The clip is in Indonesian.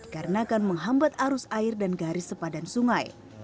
karena akan menghambat arus air dan garis sepadan sungai